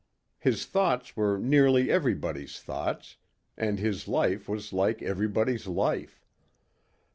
His thoughts were nearly everybody's thoughts and his life was like everybody's life.